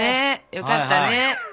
よかったね。